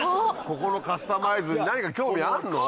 ここのカスタマイズ何か興味あんの？